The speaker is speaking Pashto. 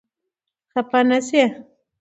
خفه نه شئ !